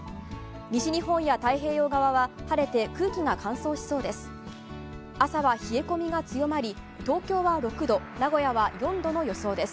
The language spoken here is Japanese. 西日本や太平洋側は晴れて空気が乾燥しそうです。